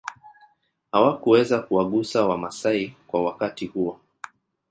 Hawakuweza kuwagusa wamasai kwa wakati huo